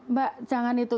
mbak jangan itu